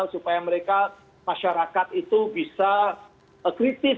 supaya mereka masyarakat itu bisa kritis